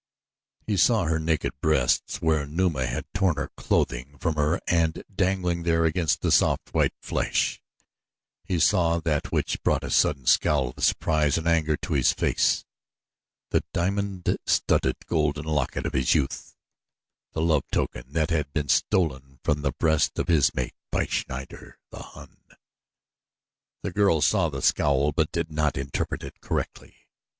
He saw her naked breasts where Numa had torn her clothing from her and dangling there against the soft, white flesh he saw that which brought a sudden scowl of surprise and anger to his face the diamond studded, golden locket of his youth the love token that had been stolen from the breast of his mate by Schneider, the Hun. The girl saw the scowl but did not interpret it correctly.